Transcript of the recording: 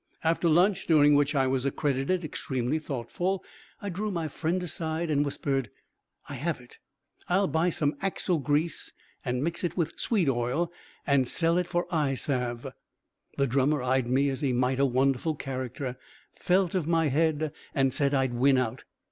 After lunch, during which I was accredited extremely thoughtful, I drew my friend aside and whispered, "I have it. I'll buy some axle grease, and mix it with sweet oil, and sell it for eye salve!" The drummer eyed me as he might a wonderful character, felt of my head, and said I'd win out.